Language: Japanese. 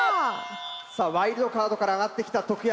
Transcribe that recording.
さあワイルドカードから上がってきた徳山。